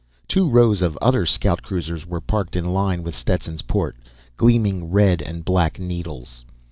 Two rows of other scout cruisers were parked in line with Stetson's port gleaming red and black needles.